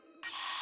あ！